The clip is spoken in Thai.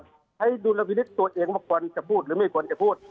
ใช้ดูลามินิศตัวเองมากกว่าจะพูดหรือไม่กว่าจะพูด